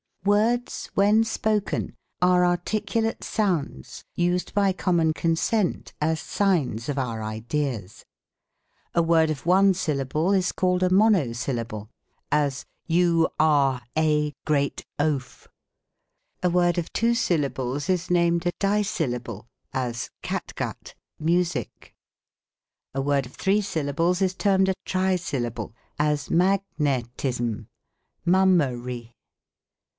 Words (when spoken) are articulate sounds used by common consent as signs of our ideas. A word of one syllable is called a Monosyllable : as, you, are, a, great, oaf. A word of two syllables is named a Dissyllable ; as, cat gut, mu sic. A word of three syllables is termed a Trisyllable ; as, Mag net ism, Mum mer y.